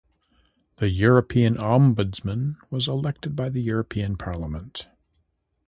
The European Ombudsman is elected by the European Parliament.